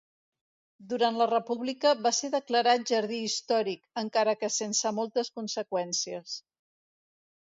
Durant la República va ser declarat Jardí Històric, encara que sense moltes conseqüències.